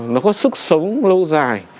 nó có sức sống lâu dài